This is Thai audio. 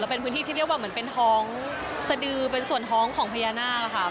เป็นพื้นที่ที่เรียกว่าเหมือนเป็นท้องสดือเป็นส่วนท้องของพญานาคค่ะ